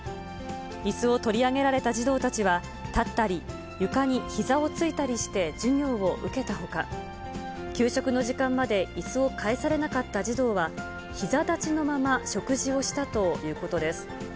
いすを取り上げられた児童たちは、立ったり、床にひざをついたりして授業を受けたほか、給食の時間までいすを返されなかった児童は、ひざ立ちのまま食事をしたということです。